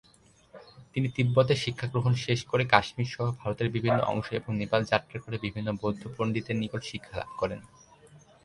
তিনি তিব্বতে শিক্ষাগ্রহণ শেষ করে কাশ্মীর সহ ভারতের বিভিন্ন অংশ এবং নেপাল যাত্রা করে বিভিন্ন বৌদ্ধ পন্ডিতের নিকট শিক্ষালাভ করেন।